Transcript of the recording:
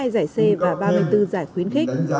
bốn mươi hai giải c và ba mươi bốn giải khuyến khích